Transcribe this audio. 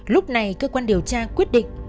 lúc này cơ quan điều tra quyết định